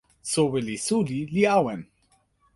soweli suli li awen.